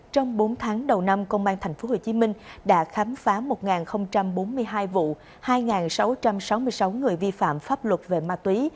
trong bốn tháng đầu năm công an tp hcm đã khám phá một bốn mươi hai vụ hai sáu trăm sáu mươi sáu người vi phạm pháp luật về ma túy